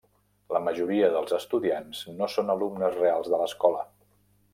La majoria dels estudiants no són alumnes reals de l'escola.